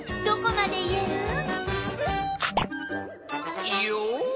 どこまで言える？